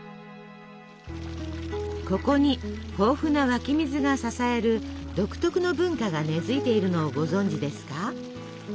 ここに豊富な湧き水が支える独特の文化が根づいているのをご存じですか？